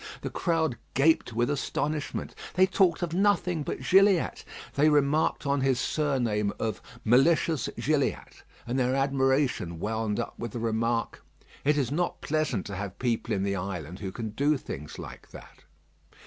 The crowd gaped with astonishment. They talked of nothing but Gilliatt. They remarked on his surname of "malicious Gilliatt;" and their admiration wound up with the remark, "It is not pleasant to have people in the island who can do things like that."